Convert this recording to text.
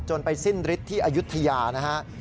จนไปสิ้นฤทธิ์ที่อายุทธิานะครับ